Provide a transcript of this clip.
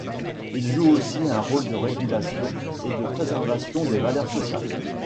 Il joue aussi un rôle de régulation et de préservation des valeurs sociales.